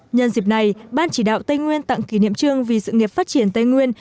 nhân dịp này ban chỉ đạo tây nguyên tặng kỷ niệm trương vì sự nghiệp phát triển tây nguyên